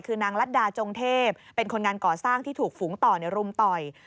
คือนางรัฐดาจงเทพเป็นคนงานก่อสร้างที่ถูกฝูงต่อรุมต่อย